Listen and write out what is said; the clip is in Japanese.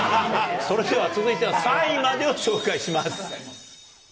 それでは続いては３位までを紹介します。